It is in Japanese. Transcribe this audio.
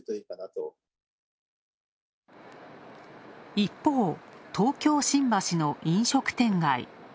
一方、東京・新橋の飲食店街。